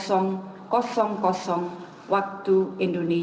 saya juga setelah hingga lalu